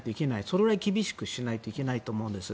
それくらい厳しくしないといけないと思うんです。